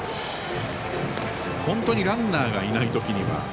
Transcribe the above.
本当にランナーがいないときには。